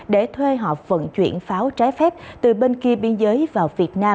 để thuê họ vận chuyển pháo trái phép từ bên kia biên giới vào việt nam